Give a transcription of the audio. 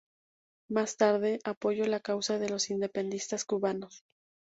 Más tarde, apoyó la causa de los independentistas cubanos.